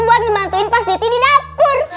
buat ngebantuin pak sri kiti di dapur